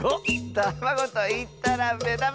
「たまごといったらめだまやき！」